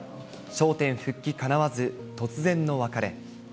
笑点復帰かなわず、突然の別れ。